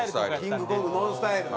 キングコングＮＯＮＳＴＹＬＥ。